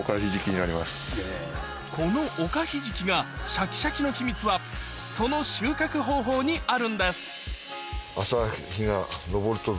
このおかひじきがシャキシャキの秘密はその収穫方法にあるんです